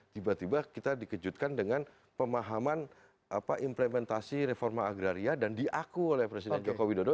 tiba tiba kita dikejutkan dengan pemahaman implementasi reforma agraria dan diaku oleh presiden joko widodo